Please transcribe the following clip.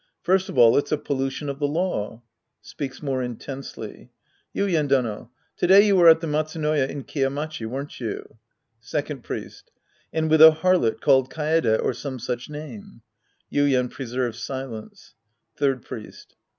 First of all it's a pollution of the law. {Speaks more intensely.) Yuien Dono, to day you were at the Matsunoya in Kiya Machi, weren't you ? Second Priest. And with a harlot called Kaede or some such name. (Yuien preserves silence.) Third Priest.